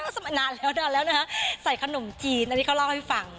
มานานแล้วนานแล้วนะฮะใส่ขนมจีนอันนี้เขาเล่าให้ฟัง